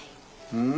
うん？